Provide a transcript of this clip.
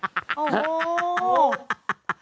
โอ้โห